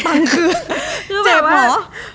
สุดปังคือเจ็บเหรอ